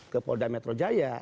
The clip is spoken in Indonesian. kepada metro jaya